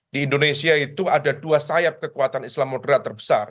di indonesia itu ada dua sayap kekuatan islam moderat terbesar